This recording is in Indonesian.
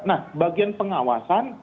nah bagian pengawasan